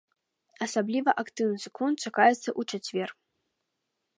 Асабліва актыўны цыклон чакаецца ў чацвер.